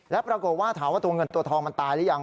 แล้วปรากฏว่าถามว่าตัวเงินตัวทองมันตายหรือยัง